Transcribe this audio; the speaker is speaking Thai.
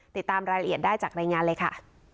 ติดตามรายละเอียดได้จากรายงานเลยค่ะ